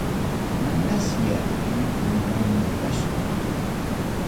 Manasya ripuymanpaschu.